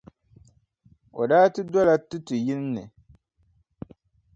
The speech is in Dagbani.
O daa ti dola tutuʼ yini ni.